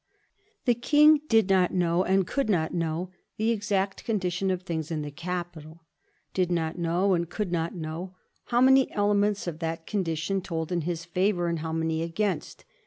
The prince did not know, and conld not know, the exact condition of things in the capital; did not know, and could not know, how many elements of that condition told in his favor, and how many against.